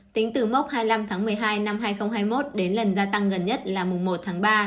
tính từ mốc hai mươi năm tháng một mươi hai năm hai nghìn hai mươi một đến lần gia tăng gần nhất là mùng một tháng ba